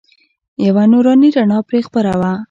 یوه نوراني رڼا پرې خپره وه.